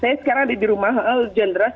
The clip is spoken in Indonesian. saya sekarang ada di rumah hujan deras